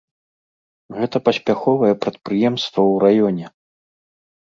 Гэта паспяховае прадпрыемства ў раёне.